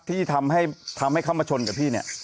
ที่ทำให้เขามาชนกับพี่เนี่ย